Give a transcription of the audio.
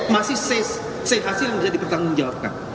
masih c hasil yang bisa dipertanggung jawabkan